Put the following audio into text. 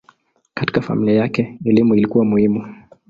Katika familia yake elimu ilikuwa muhimu.